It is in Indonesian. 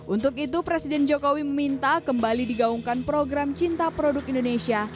untuk itu presiden jokowi meminta kembali digaungkan program cinta produk indonesia